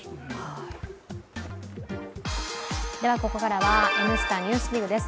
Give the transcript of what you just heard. では、ここからは「Ｎスタ・ＮＥＷＳＤＩＧ」です。